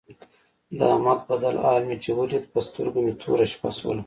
د احمد بدل حال مې چې ولید په سترګو مې توره شپه شوله.